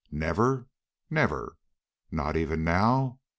"Never?" "Never." "Not even now?"